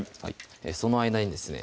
その間にですね